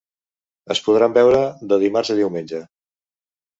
Es podran veure de dimarts a diumenge.